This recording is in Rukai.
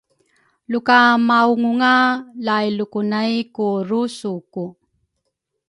Lukamaungunga lailuku nay ku rusuku